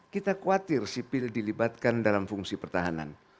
kita khawatir sipil dilibatkan dalam fungsi pertahanan